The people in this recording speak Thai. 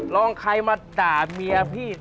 ลองใครมาด่าเมียพี่